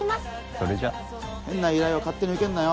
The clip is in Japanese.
それじゃ変な依頼は勝手に受けんなよ